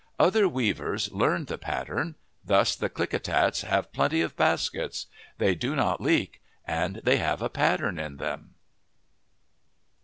Other weavers learned the pattern. Thus the Klickitats have plenty of baskets. They do not leak and they have a pattern in them.